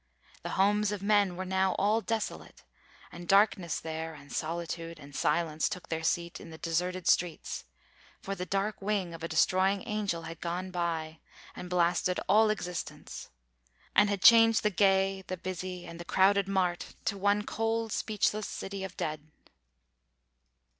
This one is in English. The homes of men Were now all desolate, and darkness there And solitude and silence took their seat, In the deserted streets: for the dark wing Of a destroying angel had gone by And blasted all existence, and had changed The gay, the busy, and the crowded mart To one cold speechless city of the dead."